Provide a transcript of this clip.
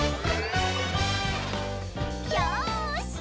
よし！